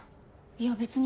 いや別に。